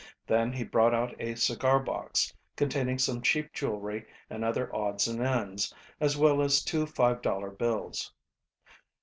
Then he brought out a cigar box containing some cheap jewelry and other odds and ends, as well as two five dollar bills.